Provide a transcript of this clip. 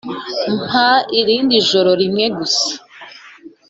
Mpa irindi joro rimwe gusa